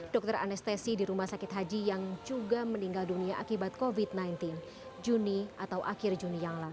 dokter anestesi di rumah sakit haji yang juga meninggal dunia akibat covid sembilan belas juni atau akhir juni yang lalu